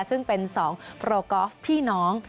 ซึ่งเป็น๒โปรกอล์ฟพี่น้อง